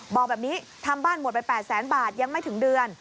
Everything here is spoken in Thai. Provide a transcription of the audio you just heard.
บอกแบบนี้ทำบ้านหมดไป๘แสนบาทยังไม่ถึงเดือน